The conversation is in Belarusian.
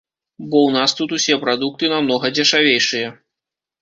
Бо ў нас тут усе прадукты намнога дзешавейшыя.